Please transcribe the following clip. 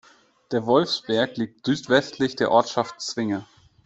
Der Wolfsberg liegt südwestlich der Ortschaft Zwinge.